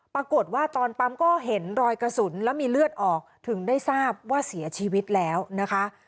ปรากฏว่าตอนปั๊มก็เห็นรอยกระสุนแล้วมีเลือดออกถึงได้ทราบว่าเสียชีวิตแล้วนะคะ